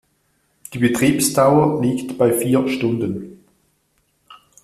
Die Betriebsdauer liegt bei vier Stunden.